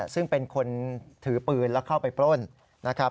ซึ่งเป็นคนถือปืนแล้วเข้าไปปล้นนะครับ